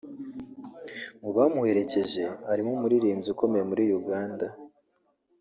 Mu bamuherekeje harimo umuririmbyi ukomeye muri Uganda